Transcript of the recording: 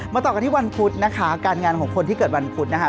ต่อกันที่วันพุธนะคะการงานของคนที่เกิดวันพุธนะคะ